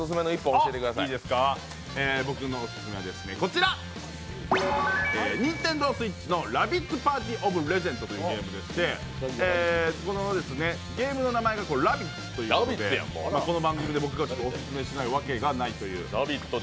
僕のオススメはＮｉｎｔｅｎｄｏＳｗｉｔｃｈの「ラビッツ：パーティー・オブ・レジャエンド」というゲームで、ゲームの名前がラビッツということでこの番組で僕がオススメしたいわけがあるという。